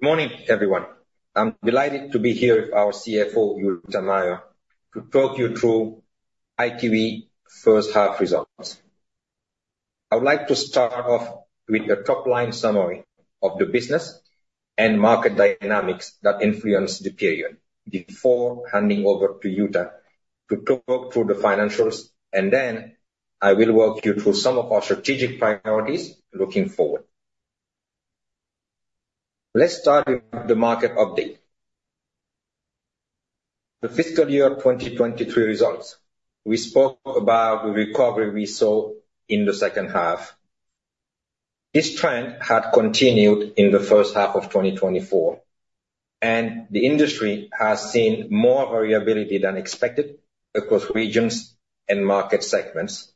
Good morning, everyone. I'm delighted to be here with our CFO, Jutta Meier, to talk you through IQE H1 results. I would like to start off with a top-line summary of the business and market dynamics that influenced the period before handing over to Jutta to talk through the financials, and then I will walk you through some of our strategic priorities looking forward. Let's start with the market update. The fiscal year 2023 results, we spoke about the recovery we saw in the H2. This trend had continued in the H1 of 2024, and the industry has seen more variability than expected across regions and market segments,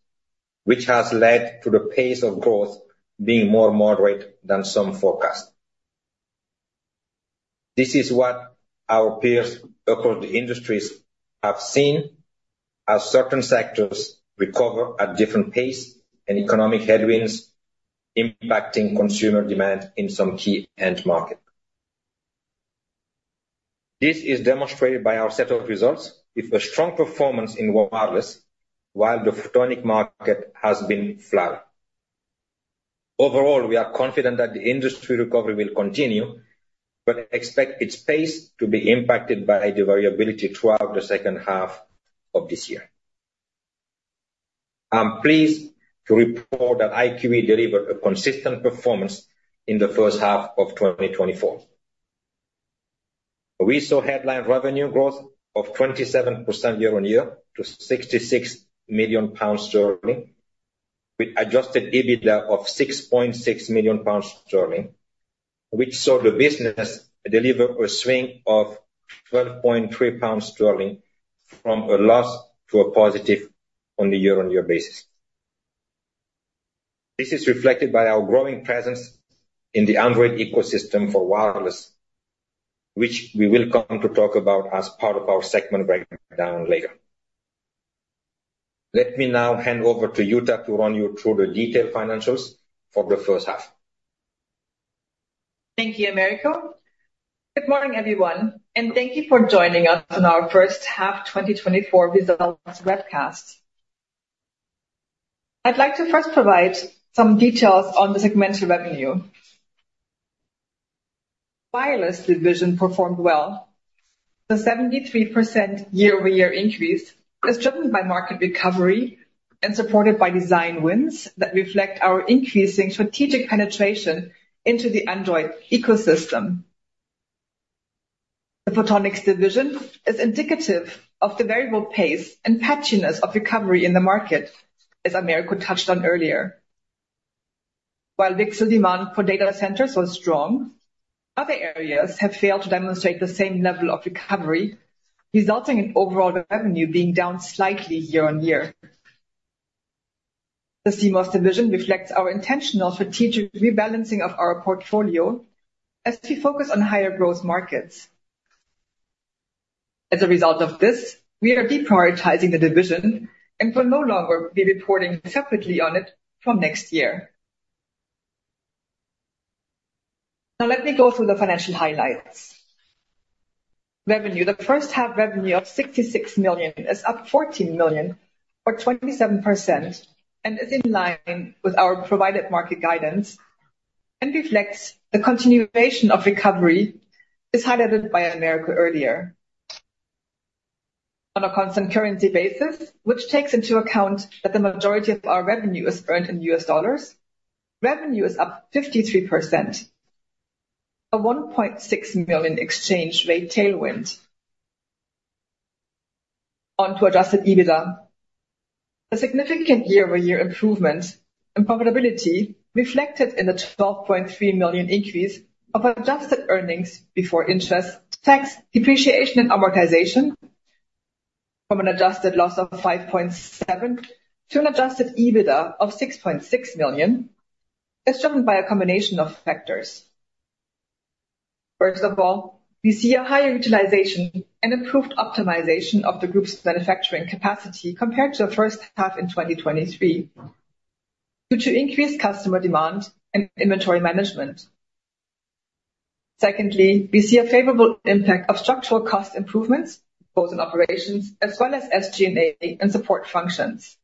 which has led to the pace of growth being more moderate than some forecast. This is what our peers across the industries have seen as certain sectors recover at different pace and economic headwinds impacting consumer demand in some key end market. This is demonstrated by our set of results with a strong performance in wireless, while the photonic market has been flat. Overall, we are confident that the industry recovery will continue, but expect its pace to be impacted by the variability throughout the H2 of this year. I'm pleased to report that IQE delivered a consistent performance in the H1 of 2024. We saw headline revenue growth of 27% year-on-year to 66 million pounds, with Adjusted EBITDA of 6.6 million pounds, which saw the business deliver a swing of 12.3 million pounds from a loss to a positive on the year-on-year basis. This is reflected by our growing presence in the Android ecosystem for wireless, which we will come to talk about as part of our segment breakdown later. Let me now hand over to Jutta to run you through the detailed financials for the H1. Thank you, Americo. Good morning, everyone, and thank you for joining us on our H1 2024 results webcast. I'd like to first provide some details on the segmental revenue. Wireless division performed well. The 73% year-over-year increase is driven by market recovery and supported by design wins that reflect our increasing strategic penetration into the Android ecosystem. The Photonics division is indicative of the variable pace and patchiness of recovery in the market, as Americo touched on earlier. While pixel demand for data centers was strong, other areas have failed to demonstrate the same level of recovery, resulting in overall revenue being down slightly year-on-year. The CMOS division reflects our intentional strategic rebalancing of our portfolio as we focus on higher growth markets. As a result of this, we are deprioritizing the division and will no longer be reporting separately on it from next year. Now, let me go through the financial highlights. Revenue, the H1 revenue of $66 million is up $14 million or 27%, and is in line with our provided market guidance and reflects the continuation of recovery as highlighted by Americo earlier. On a constant currency basis, which takes into account that the majority of our revenue is earned in US dollars, revenue is up 53%, a $1.6 million exchange rate tailwind. On to Adjusted EBITDA. A significant year-over-year improvement in profitability reflected in the $12.3 million increase of adjusted earnings before interest, tax, depreciation, and amortization from an adjusted loss of $5.7 million to an adjusted EBITDA of $6.6 million, is driven by a combination of factors. First of all, we see a higher utilization and improved optimization of the group's manufacturing capacity compared to the H1 in 2023, due to increased customer demand and inventory management. Secondly, we see a favorable impact of structural cost improvements both in operations as well as SG&A and support functions.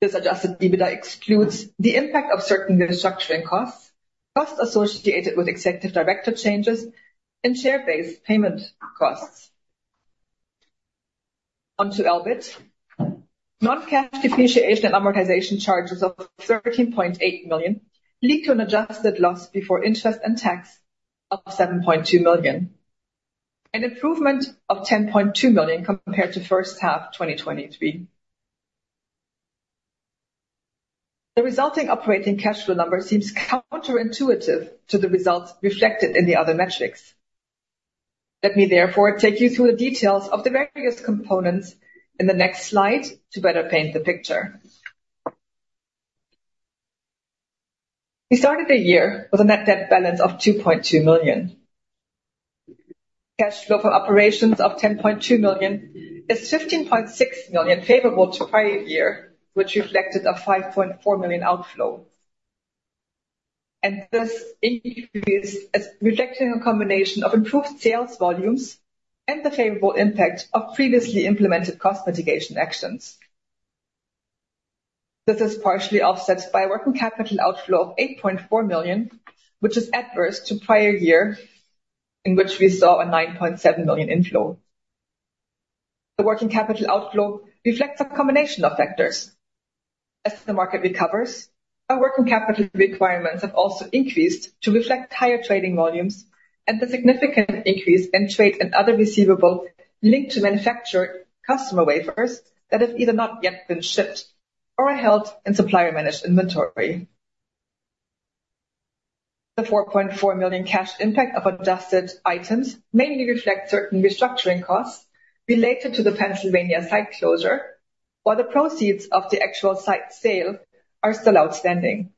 This adjusted EBITDA excludes the impact of certain restructuring costs, costs associated with executive director changes, and share-based payment costs. Onto EBIT. Non-cash depreciation and amortization charges of 13.8 million lead to an adjusted loss before interest and tax of 7.2 million, an improvement of 10.2 million compared to H1 2023. The resulting operating cash flow number seems counterintuitive to the results reflected in the other metrics. Let me therefore take you through the details of the various components in the next slide to better paint the picture. We started the year with a net debt balance of 2.2 million. Cash flow for operations of 10.2 million is 15.6 million favorable to prior year, which reflected a 5.4 million outflow, and this increase is reflecting a combination of improved sales volumes and the favorable impact of previously implemented cost mitigation actions. This is partially offset by a working capital outflow of 8.4 million, which is adverse to prior year, in which we saw a 9.7 million inflow. The working capital outflow reflects a combination of factors. As the market recovers, our working capital requirements have also increased to reflect higher trading volumes and the significant increase in trade and other receivables linked to manufactured customer wafers that have either not yet been shipped or are held in supplier-managed inventory. The 4.4 million cash impact of adjusted items mainly reflects certain restructuring costs related to the Pennsylvania site closure, while the proceeds of the actual site sale are still outstanding.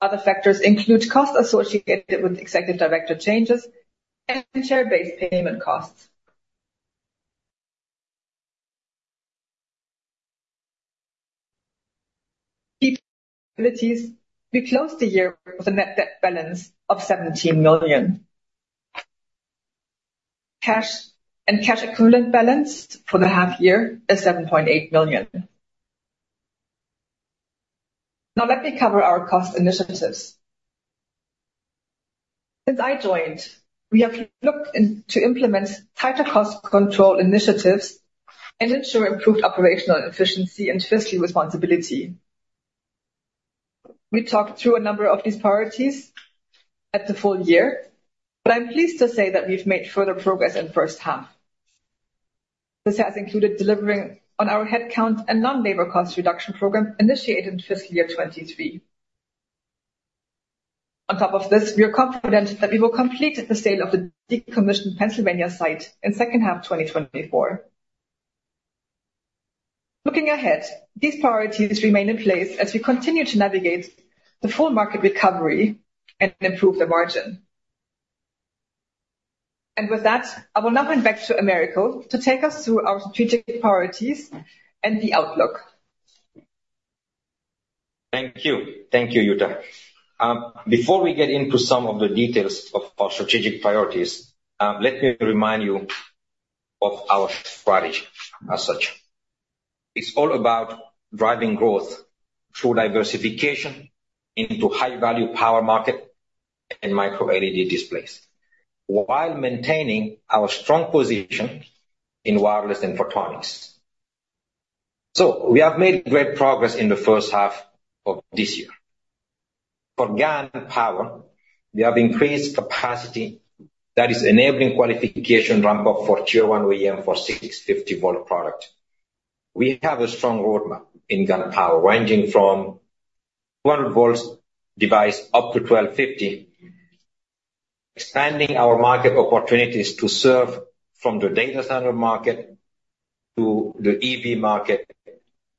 Other factors include costs associated with executive director changes and share-based payment costs. We closed the year with a net debt balance of 17 million. Cash and cash equivalent balance for the half year is 7.8 million. Now let me cover our cost initiatives. Since I joined, we have looked into implement tighter cost control initiatives and ensure improved operational efficiency and fiscal responsibility. We talked through a number of these priorities at the full year, but I'm pleased to say that we've made further progress in H1. This has included delivering on our headcount and non-labor cost reduction program initiated in fiscal year 2023. On top of this, we are confident that we will complete the sale of the decommissioned Pennsylvania site in H2, 2024. Looking ahead, these priorities remain in place as we continue to navigate the full market recovery and improve the margin. And with that, I will now hand back to Americo to take us through our strategic priorities and the outlook. Thank you. Thank you, Jutta. Before we get into some of the details of our strategic priorities, let me remind you of our strategy as such. It's all about driving growth through diversification into high-value power market and microLED displays, while maintaining our strong position in wireless and photonics. We have made great progress in the H1 of this year. For GaN power, we have increased capacity that is enabling qualification ramp-up for Tier One OEM for 650-volt product. We have a strong roadmap in GaN power, ranging from 1200-volt device up to 1250, expanding our market opportunities to serve from the data center market to the EV market,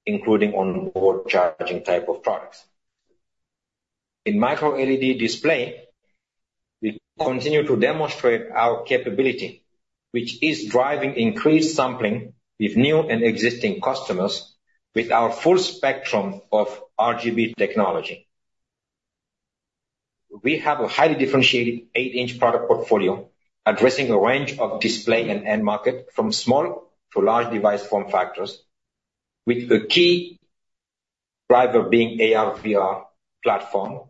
including on-board charging type of products. In MicroLED display, we continue to demonstrate our capability, which is driving increased sampling with new and existing customers with our full spectrum of RGB technology. We have a highly differentiated eight-inch product portfolio addressing a range of display and end market, from small to large device form factors, with the key driver being AR/VR platform,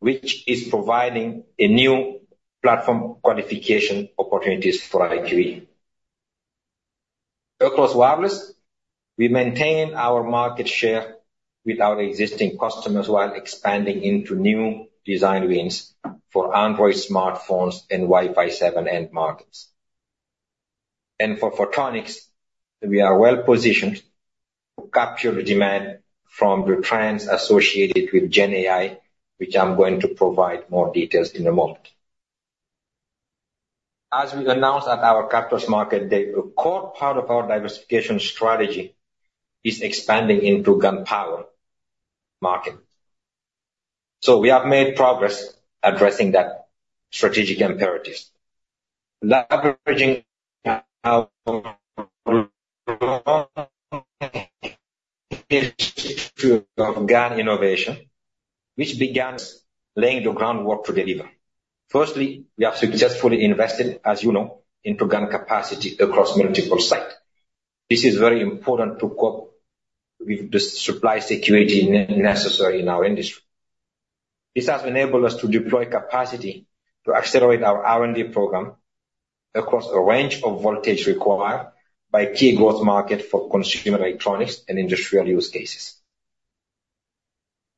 which is providing a new platform qualification opportunities for IQE. Across wireless, we maintain our market share with our existing customers while expanding into new design wins for Android smartphones and Wi-Fi 7 end markets. And for photonics, we are well positioned to capture the demand from the trends associated with GenAI, which I'm going to provide more details in a moment. As we announced at our Capital Market Day, a core part of our diversification strategy is expanding into GaN power market. So we have made progress addressing that strategic imperatives. Leveraging our GaN innovation, which begins laying the groundwork to deliver. Firstly, we have successfully invested, as you know, into GaN capacity across multiple sites. This is very important to cope with the supply security necessary in our industry. This has enabled us to deploy capacity to accelerate our R&D program across a range of voltage required by key growth markets for consumer electronics and industrial use cases.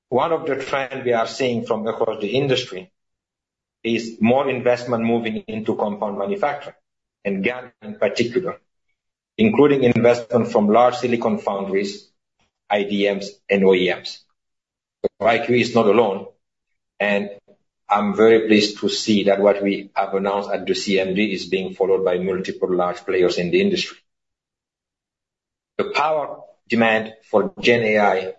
One of the trends we are seeing from across the industry is more investment moving into compound manufacturing, and GaN in particular, including investment from large silicon foundries, IDMs and OEMs. IQE is not alone, and I'm very pleased to see that what we have announced at the CMD is being followed by multiple large players in the industry. The power demand for GenAI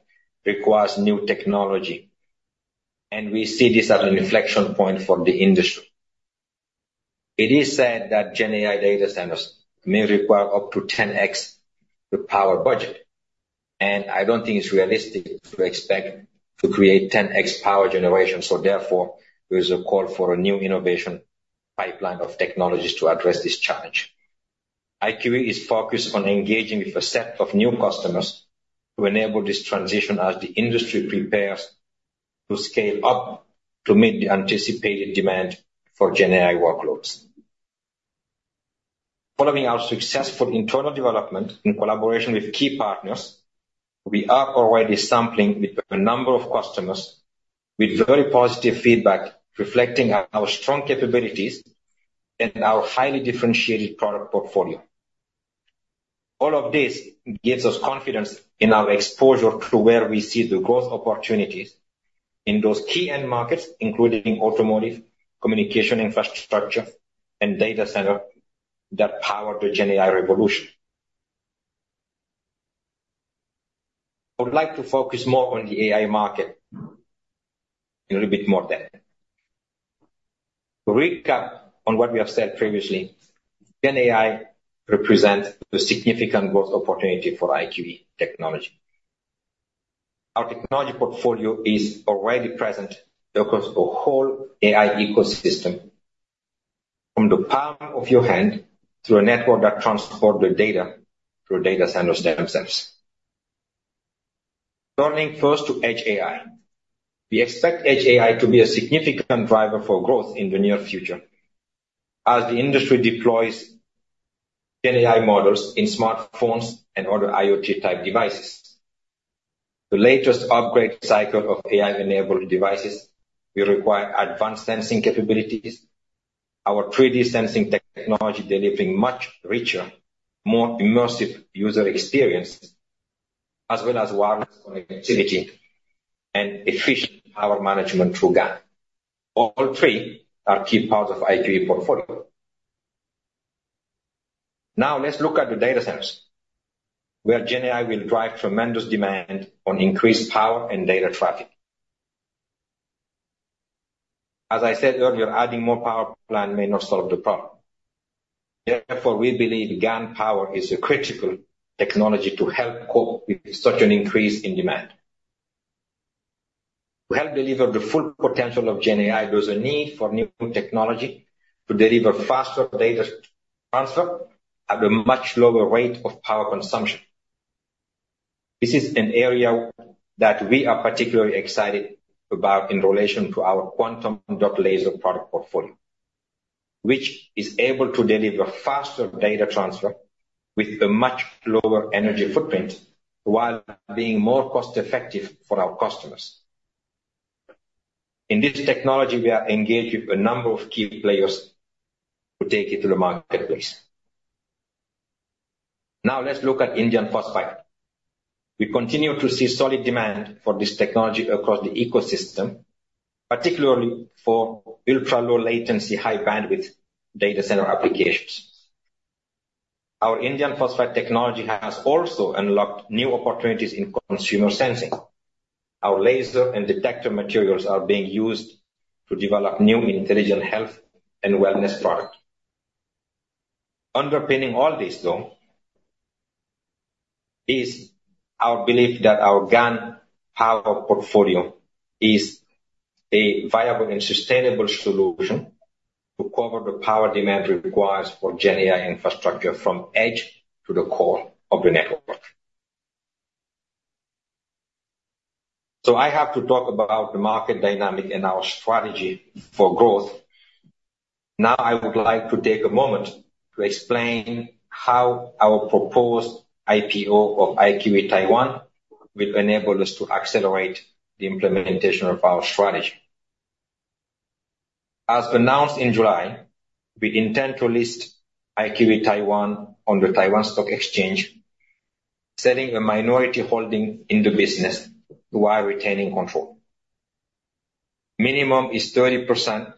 requires new technology, and we see this as an inflection point for the industry. It is said that GenAI data centers may require up to 10x the power budget, and I don't think it's realistic to expect to create 10x power generation. So therefore, there is a call for a new innovation pipeline of technologies to address this challenge. IQE is focused on engaging with a set of new customers to enable this transition as the industry prepares to scale up to meet the anticipated demand for GenAI workloads. Following our successful internal development in collaboration with key partners, we are already sampling with a number of customers with very positive feedback, reflecting our strong capabilities and our highly differentiated product portfolio. All of this gives us confidence in our exposure to where we see the growth opportunities in those key end markets, including automotive, communication, infrastructure, and data center, that power the GenAI revolution. I would like to focus more on the AI market in a little bit more depth. To recap on what we have said previously, GenAI represents a significant growth opportunity for IQE technology. Our technology portfolio is already present across the whole AI ecosystem, from the palm of your hand to a network that transports the data to data centers themselves. Turning first to Edge AI. We expect Edge AI to be a significant driver for growth in the near future as the industry deploys GenAI models in smartphones and other IoT-type devices. The latest upgrade cycle of AI-enabled devices will require advanced sensing capabilities, our 3D sensing technology delivering much richer, more immersive user experience, as well as wireless connectivity and efficient power management through GaN. All three are key parts of IQE portfolio. Now, let's look at the data centers, where GenAI will drive tremendous demand on increased power and data traffic. As I said earlier, adding more power plant may not solve the problem. Therefore, we believe GaN power is a critical technology to help cope with such an increase in demand. To help deliver the full potential of GenAI, there's a need for new technology to deliver faster data transfer at a much lower rate of power consumption. This is an area that we are particularly excited about in relation to our quantum dot laser product portfolio, which is able to deliver faster data transfer with a much lower energy footprint while being more cost-effective for our customers. In this technology, we are engaged with a number of key players to take it to the marketplace. Now, let's look at indium phosphide. We continue to see solid demand for this technology across the ecosystem, particularly for ultra-low latency, high bandwidth data center applications. Our indium phosphide technology has also unlocked new opportunities in consumer sensing. Our laser and detector materials are being used to develop new intelligent health and wellness products. Underpinning all this, though, is our belief that our GaN power portfolio is a viable and sustainable solution to cover the power demand required for GenAI infrastructure from edge to the core of the network. So I have to talk about the market dynamic and our strategy for growth. Now, I would like to take a moment to explain how our proposed IPO of IQE Taiwan will enable us to accelerate the implementation of our strategy. As announced in July, we intend to list IQE Taiwan on the Taiwan Stock Exchange, selling a minority holding in the business while retaining control. Minimum is 30%,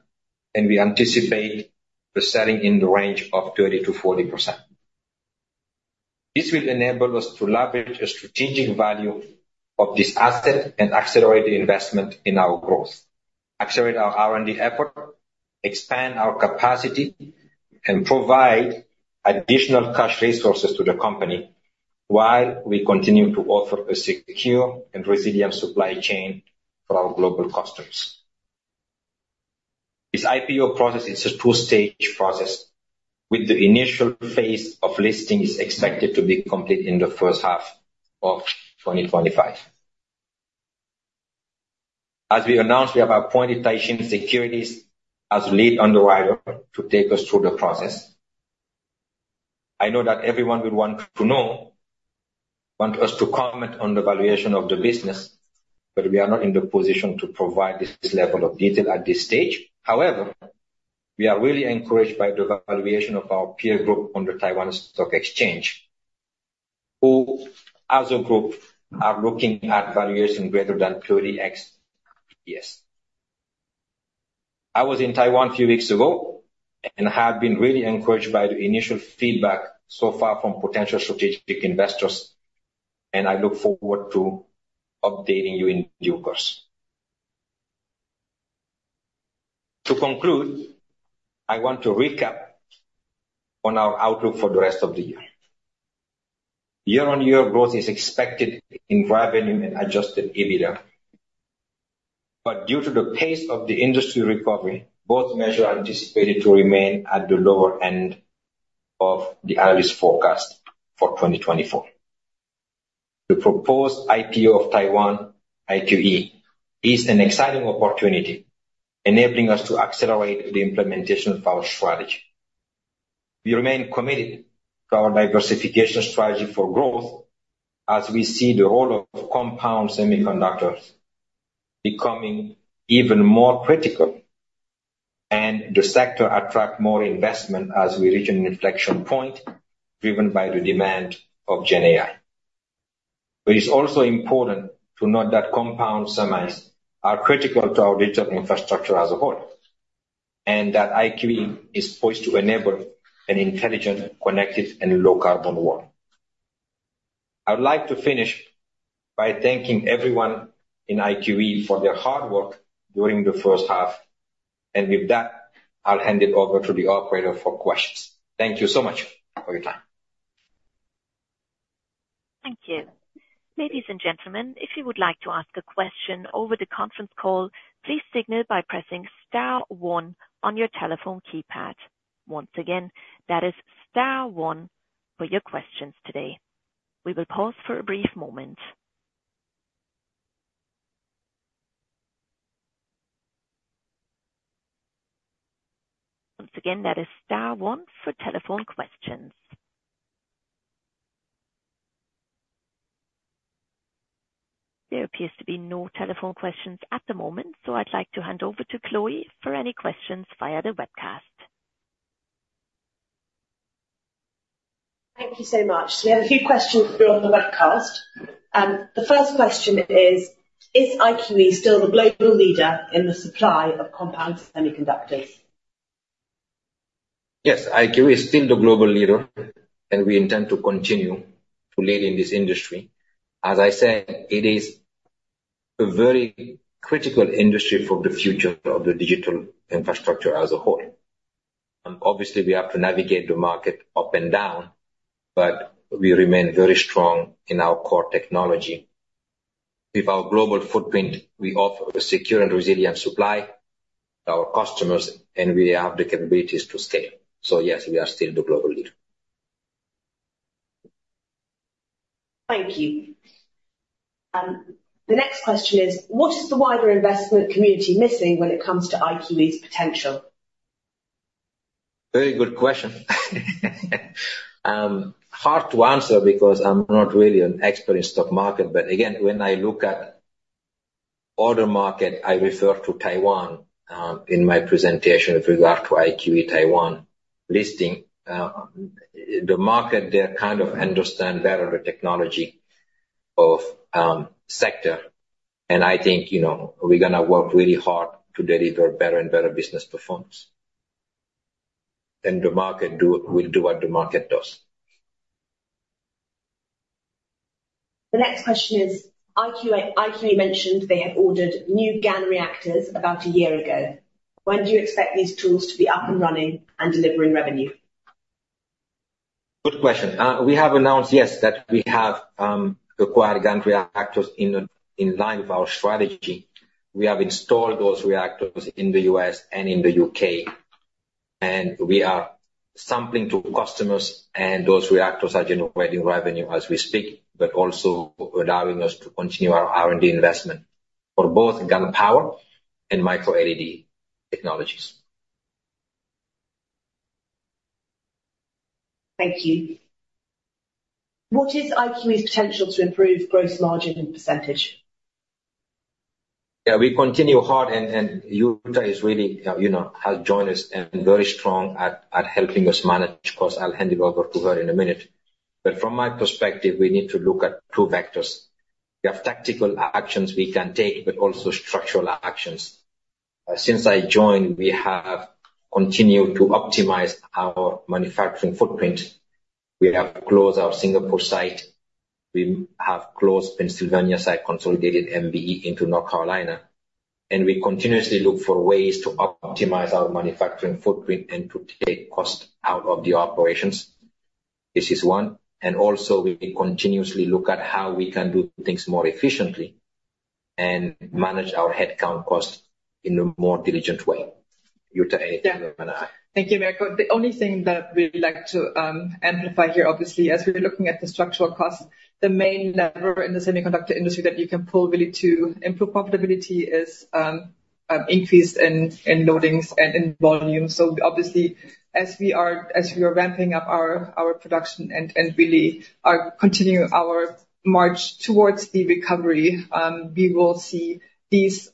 and we anticipate the selling in the range of 30%-40%. This will enable us to leverage the strategic value of this asset and accelerate the investment in our growth, accelerate our R&D effort, expand our capacity, and provide additional cash resources to the company while we continue to offer a secure and resilient supply chain for our global customers. This IPO process is a two-stage process, with the initial phase of listing is expected to be complete in the H1 of 2025. As we announced, we have appointed Taishin Securities as lead underwriter to take us through the process. I know that everyone would want to know, want us to comment on the valuation of the business, but we are not in the position to provide this level of detail at this stage. However, we are really encouraged by the valuation of our peer group on the Taiwan Stock Exchange, who, as a group, are looking at valuation greater than 30x PS. I was in Taiwan a few weeks ago, and I have been really encouraged by the initial feedback so far from potential strategic investors, and I look forward to updating you in due course. To conclude, I want to recap on our outlook for the rest of the year. Year-on-year growth is expected in revenue and Adjusted EBITDA. But due to the pace of the industry recovery, both measures are anticipated to remain at the lower end of the earliest forecast for 2024. The proposed IPO of IQE Taiwan is an exciting opportunity, enabling us to accelerate the implementation of our strategy. We remain committed to our diversification strategy for growth as we see the role of compound semiconductors becoming even more critical, and the sector attract more investment as we reach an inflection point, driven by the demand of GenAI. But it's also important to note that compound semis are critical to our digital infrastructure as a whole, and that IQE is poised to enable an intelligent, connected, and low-carbon world. I would like to finish by thanking everyone in IQE for their hard work during the H1, and with that, I'll hand it over to the operator for questions. Thank you so much for your time. Thank you. Ladies and gentlemen, if you would like to ask a question over the conference call, please signal by pressing star one on your telephone keypad. Once again, that is star one for your questions today. We will pause for a brief moment. Once again, that is star one for telephone questions. There appears to be no telephone questions at the moment, so I'd like to hand over to Chloe for any questions via the webcast. Thank you so much. We have a few questions from the webcast. The first question is: Is IQE still the global leader in the supply of compound semiconductors? Yes, IQE is still the global leader, and we intend to continue to lead in this industry. As I said, it is a very critical industry for the future of the digital infrastructure as a whole, and obviously, we have to navigate the market up and down, but we remain very strong in our core technology. With our global footprint, we offer a secure and resilient supply to our customers, and we have the capabilities to scale, so yes, we are still the global leader. Thank you. The next question is: What is the wider investment community missing when it comes to IQE's potential? Very good question. Hard to answer because I'm not really an expert in stock market, but again, when I look at other market, I refer to Taiwan in my presentation with regard to IQE Taiwan listing. The market there kind of understand better the technology of sector, and I think, you know, we're gonna work really hard to deliver better and better business performance, then the market will do what the market does. The next question is, IQE, IQE mentioned they have ordered new GaN reactors about a year ago. When do you expect these tools to be up and running and delivering revenue? Good question. We have announced, yes, that we have acquired GaN reactors in line with our strategy. We have installed those reactors in the U.S. and in the U.K., and we are sampling to customers, and those reactors are generating revenue as we speak, but also allowing us to continue our R&D investment for both GaN power and microLED technologies. Thank you. What is IQE's potential to improve gross margin in percentage? Yeah, we continue hard and Jutta is really, you know, has joined us and very strong at helping us manage costs. I'll hand it over to her in a minute, but from my perspective, we need to look at two vectors. We have tactical actions we can take, but also structural actions. Since I joined, we have continued to optimize our manufacturing footprint. We have closed our Singapore site, we have closed Pennsylvania site, consolidated MBE into North Carolina, and we continuously look for ways to optimize our manufacturing footprint and to take cost out of the operations. This is one, and also we continuously look at how we can do things more efficiently and manage our headcount cost in a more diligent way. Jutta, anything you want to add? Yeah. Thank you, Americo. The only thing that we'd like to amplify here, obviously, as we're looking at the structural costs, the main lever in the semiconductor industry that you can pull really to improve profitability is increase in loadings and in volume. So obviously, as we are ramping up our production and really are continuing our march towards the recovery, we will see these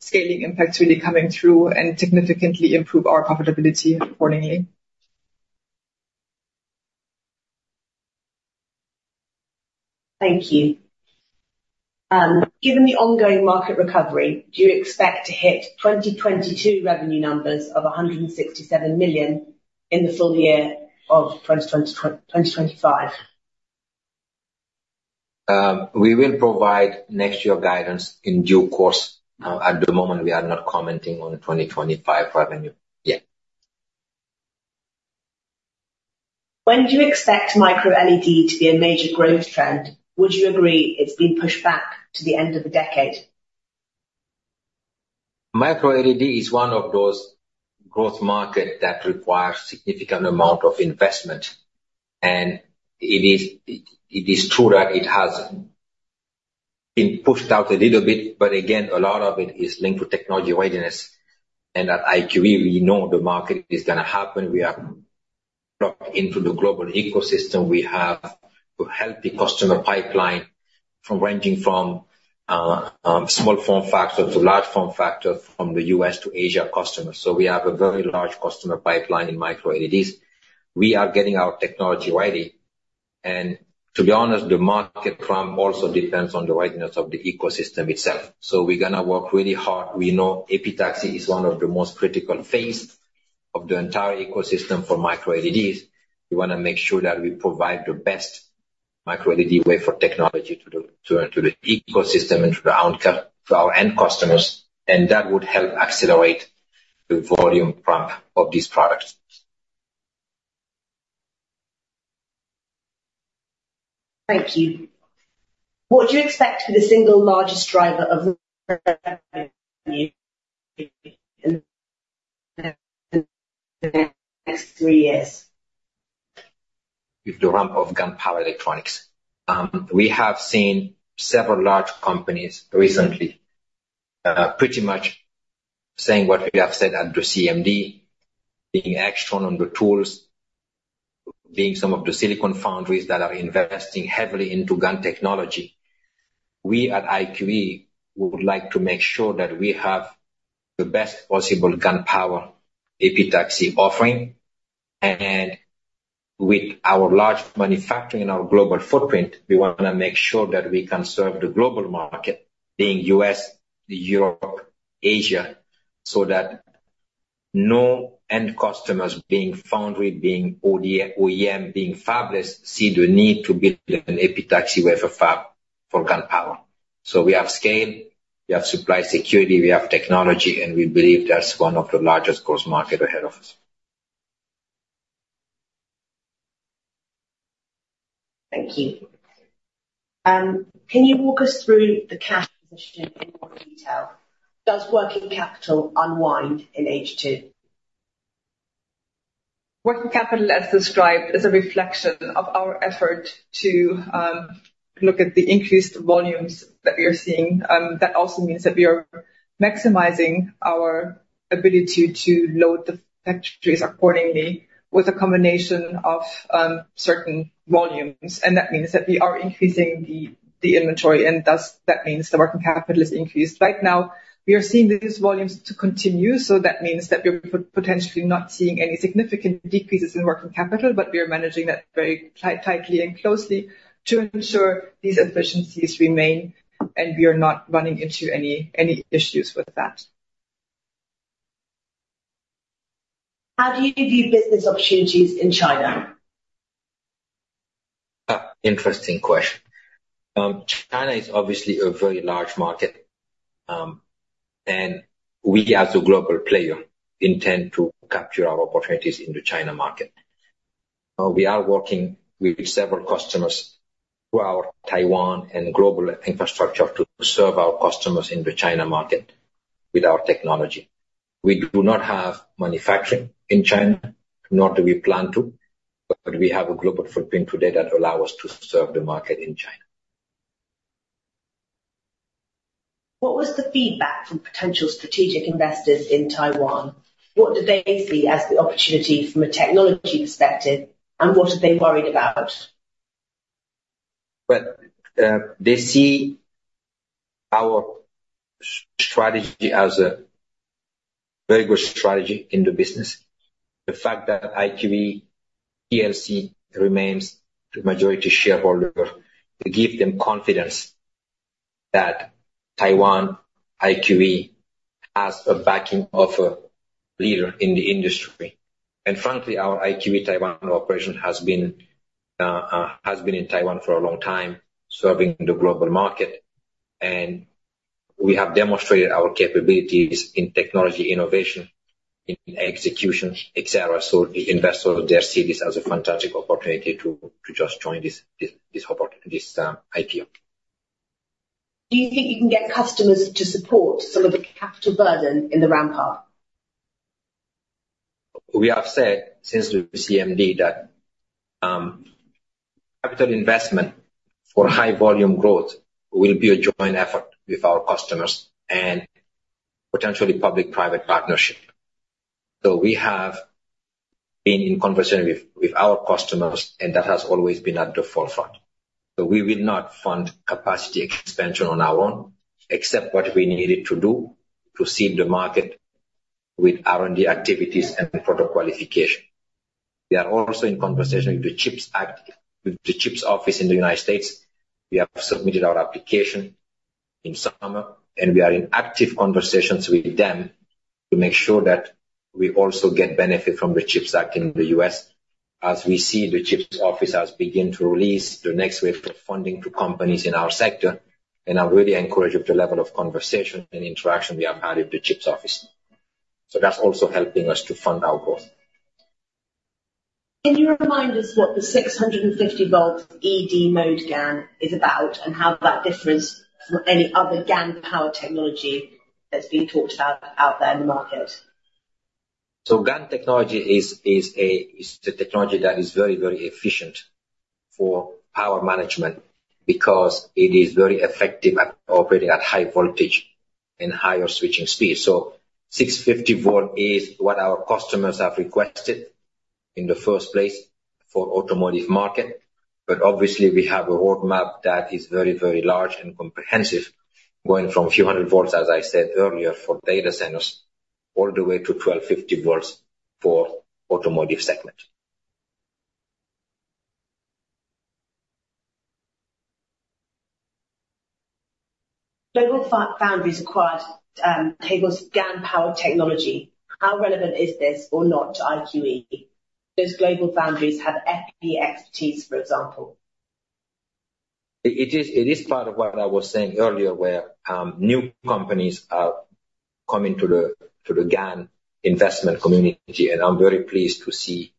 scaling impacts really coming through and significantly improve our profitability accordingly. Thank you. Given the ongoing market recovery, do you expect to hit 2022 revenue numbers of 167 million in the full year of 2025? We will provide next year guidance in due course. At the moment, we are not commenting on 2025 revenue yet. When do you expect Micro LED to be a major growth trend? Would you agree it's been pushed back to the end of the decade? MicroLED is one of those growth market that requires significant amount of investment, and it is true that it has been pushed out a little bit, but again, a lot of it is linked to technology readiness, and at IQE, we know the market is gonna happen. We are locked into the global ecosystem. We have a healthy customer pipeline ranging from small form factor to large form factor, from the U.S. to Asia customers, so we have a very large customer pipeline in MicroLEDs. We are getting our technology ready, and to be honest, the market plan also depends on the readiness of the ecosystem itself, so we're gonna work really hard. We know epitaxy is one of the most critical phase of the entire ecosystem for MicroLEDs. We wanna make sure that we provide the best MicroLED wafer technology to the ecosystem and to the output, to our end customers, and that would help accelerate the volume ramp of these products. Thank you. What do you expect the single largest driver of the next three years? With the ramp of GaN power electronics. We have seen several large companies recently, pretty much saying what we have said at the CMD, being extra on the tools, being some of the silicon foundries that are investing heavily into GaN technology. We, at IQE, would like to make sure that we have the best possible GaN power epitaxy offering. And with our large manufacturing and our global footprint, we wanna make sure that we can serve the global market, being US, Europe, Asia, so that no end customers being foundry, being ODM-OEM, being fabless, see the need to build an epitaxy wafer fab for GaN power. So we have scale, we have supply security, we have technology, and we believe that's one of the largest growth market ahead of us. Thank you. Can you walk us through the cash position in more detail? Does working capital unwind in H2? Working capital, as described, is a reflection of our effort to look at the increased volumes that we are seeing. That also means that we are maximizing our ability to load the factories accordingly, with a combination of certain volumes. And that means that we are increasing the inventory, and thus, that means the working capital is increased. Right now, we are seeing these volumes to continue, so that means that we're potentially not seeing any significant decreases in working capital, but we are managing that very tightly and closely to ensure these efficiencies remain, and we are not running into any issues with that. How do you view business opportunities in China? Interesting question. China is obviously a very large market, and we, as a global player, intend to capture our opportunities in the China market. We are working with several customers through our Taiwan and global infrastructure to serve our customers in the China market with our technology. We do not have manufacturing in China, nor do we plan to, but we have a global footprint today that allow us to serve the market in China. What was the feedback from potential strategic investors in Taiwan? What do they see as the opportunity from a technology perspective, and what are they worried about? They see our strategy as a very good strategy in the business. The fact that IQE PLC remains the majority shareholder, give them confidence that IQE Taiwan has a backing of a leader in the industry. And frankly, our IQE Taiwan operation has been in Taiwan for a long time, serving the global market, and we have demonstrated our capabilities in technology innovation, in execution, et cetera. So the investors, they see this as a fantastic opportunity to just join this IPO. Do you think you can get customers to support some of the capital burden in the ramp up? We have said since the CMD that, capital investment for high volume growth will be a joint effort with our customers and potentially public-private partnership. So we have been in conversation with our customers, and that has always been at the forefront. So we will not fund capacity expansion on our own, except what we needed to do to seed the market with R&D activities and product qualification. We are also in conversation with the CHIPS Act, with the CHIPS Office in the United States. We have submitted our application in summer, and we are in active conversations with them to make sure that we also get benefit from the CHIPS Act in the U.S., as we see the CHIPS Office has begin to release the next wave of funding to companies in our sector. I'm really encouraged with the level of conversation and interaction we have had at the CHIPS Office. That's also helping us to fund our growth. Can you remind us what the 650-volt E-mode GaN is about, and how that differs from any other GaN power technology that's being talked about out there in the market? So GaN technology is a technology that is very, very efficient for power management because it is very effective at operating at high voltage and higher switching speed. So 650-volt is what our customers have requested in the first place for automotive market. But obviously, we have a roadmap that is very, very large and comprehensive, going from a few hundred volts, as I said earlier, for data centers, all the way to 1250 volts for automotive segment. GlobalFoundries acquired GaN power technology. How relevant is this or not to IQE? Does GlobalFoundries have epi expertise, for example? It is part of what I was saying earlier, where new companies are coming to the GaN investment community, and I'm very pleased to see,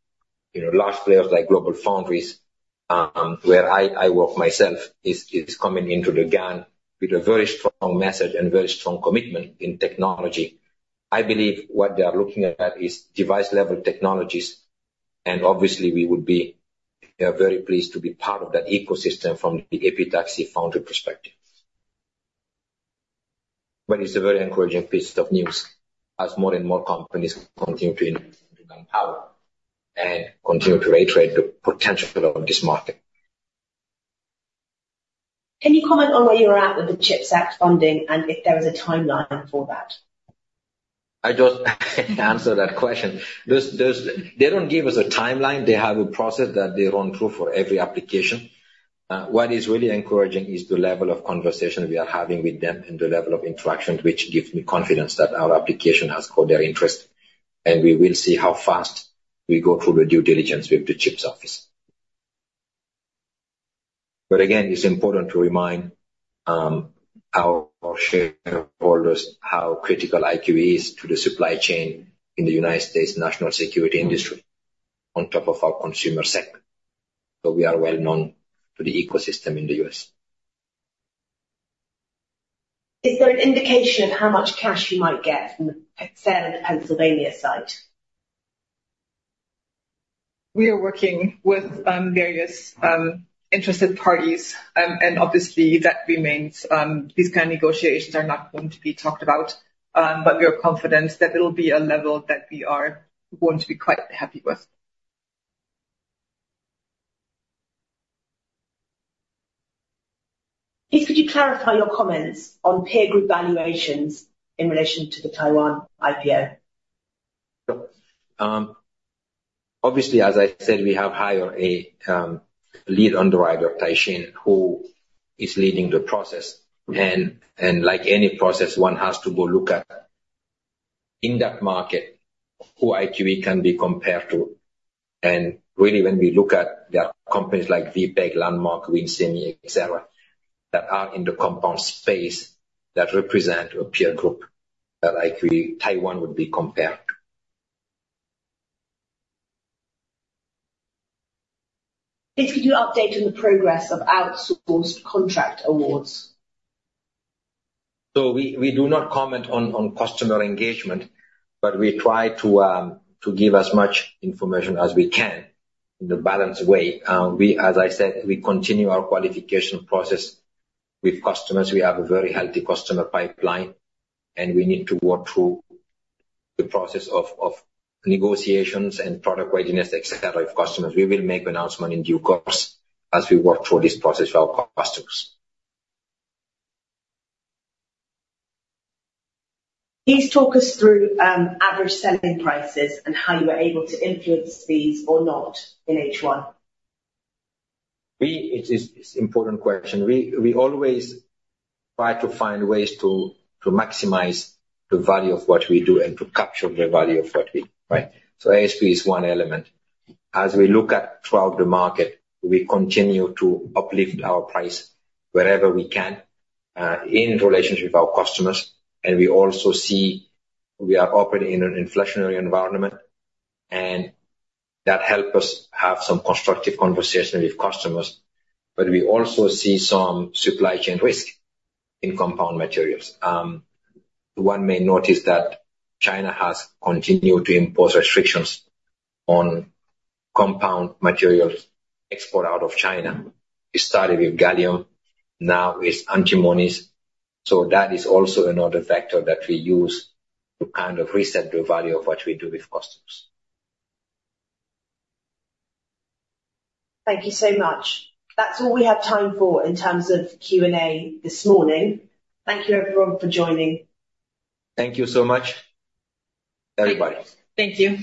you know, large players like GlobalFoundries, where I work myself, is coming into the GaN with a very strong message and very strong commitment in technology. I believe what they are looking at is device-level technologies, and obviously, we would be very pleased to be part of that ecosystem from the epitaxy foundry perspective. But it's a very encouraging piece of news as more and more companies continue to invest in GaN power and continue to reiterate the potential of this market. Can you comment on where you are at with the CHIPS Act funding, and if there is a timeline for that? I just answered that question. Those. They don't give us a timeline. They have a process that they run through for every application. What is really encouraging is the level of conversation we are having with them and the level of interaction, which gives me confidence that our application has caught their interest, and we will see how fast we go through the due diligence with the CHIPS Office. But again, it's important to remind our shareholders how critical IQE is to the supply chain in the United States national security industry, on top of our consumer segment. So we are well known to the ecosystem in the U.S. Is there an indication of how much cash you might get from the sale of the Pennsylvania site? We are working with various interested parties. And obviously, that remains. These kind of negotiations are not going to be talked about. But we are confident that it'll be a level that we are going to be quite happy with. Please, could you clarify your comments on peer group valuations in relation to the Taiwan IPO? Obviously, as I said, we have hired a lead underwriter, Taishin, who is leading the process. Like any process, one has to go look at, in that market, who IQE can be compared to. Really, when we look at the companies like VPEC, Landmark, Win Semi, et cetera, that are in the compound space that represent a peer group, that IQE Taiwan would be compared to. Please, could you update on the progress of outsourced contract awards? So we do not comment on customer engagement, but we try to give as much information as we can in a balanced way. As I said, we continue our qualification process with customers. We have a very healthy customer pipeline, and we need to work through the process of negotiations and product readiness, et cetera, with customers. We will make announcement in due course as we work through this process with our customers. Please talk us through average selling prices and how you were able to influence these or not in H1? It is, it's important question. We always try to find ways to maximize the value of what we do and to capture the value of what we... Right? So ASP is one element. As we look at throughout the market, we continue to uplift our price wherever we can, in relationship with our customers, and we also see we are operating in an inflationary environment, and that help us have some constructive conversation with customers. But we also see some supply chain risk in compound materials. One may notice that China has continued to impose restrictions on compound materials export out of China. It started with gallium, now it's antimony. So that is also another factor that we use to kind of reset the value of what we do with customers. Thank you so much. That's all we have time for in terms of Q and A this morning. Thank you, everyone, for joining. Thank you so much, everybody. Thank you.